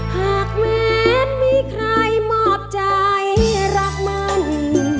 หากแม้มีใครมอบใจรักมัน